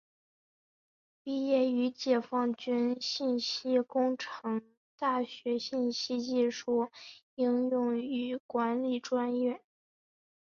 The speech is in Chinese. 毕业于解放军信息工程大学信息技术应用与管理专业。